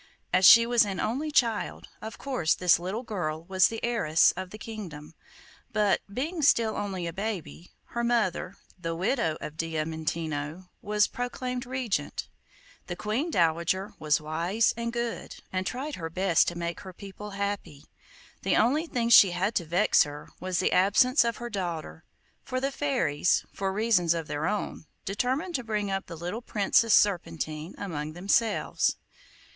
As she was an only child, of course this little girl was the heiress of the kingdom, but, being still only a baby, her mother, the widow of Diamantino, was proclaimed regent. The Queen dowager was wise and good, and tried her best to make her people happy. The only thing she had to vex her was the absence of her daughter; for the fairies, for reasons of their own, determined to bring up the little Princess Serpentine among themselves.